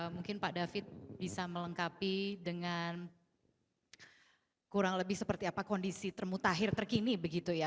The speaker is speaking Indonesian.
mungkin pak david bisa melengkapi dengan kurang lebih seperti apa kondisi termutahir terkini begitu ya